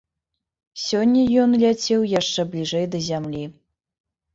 Сёння ён ляцеў яшчэ бліжэй да зямлі.